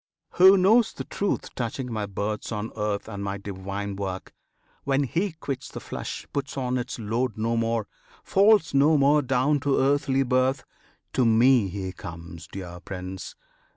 Who knows the truth touching my births on earth And my divine work, when he quits the flesh Puts on its load no more, falls no more down To earthly birth: to Me he comes, dear Prince!